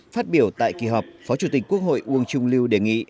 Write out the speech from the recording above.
phát biểu tại kỳ họp phó chủ tịch quốc hội uông trung lưu đề nghị